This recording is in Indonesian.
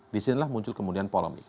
disinilah muncul kemudian polemik